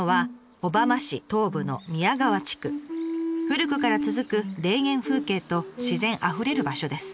古くから続く田園風景と自然あふれる場所です。